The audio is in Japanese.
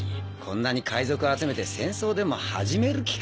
こんなに海賊集めて戦争でも始める気か？